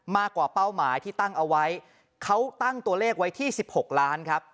มากกว่าเป้าหมายที่ตั้งเอาไว้เขาตั้งตัวเลขไว้ที่๑๖ล้านครับ